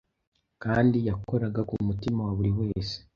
kandi yakoraga ku mutima wa buri wese.